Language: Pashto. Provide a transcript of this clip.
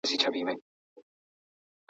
هغه د شخصي ګټې پر وړاندې ودرېد.